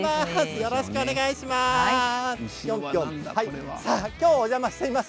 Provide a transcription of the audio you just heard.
よろしくお願いします。